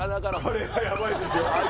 これはやばいですよ。